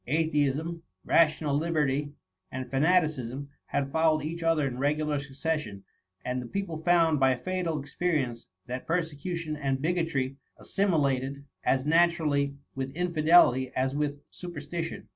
Atheism, rational liberty, and fa naticism, had followed each other in regular succession ; and the people found, by fatal ex perience, that persecution and bigotry assimi lated as naturally with inlBdelity as with super stition.